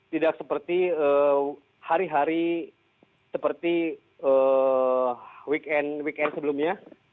tidak seperti hari hari seperti weekend weekend sebelumnya